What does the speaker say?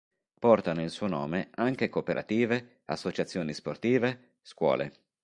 Portano il suo nome anche cooperative, associazioni sportive, scuole.